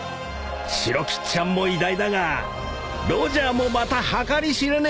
［白吉っちゃんも偉大だがロジャーもまた計り知れねえ］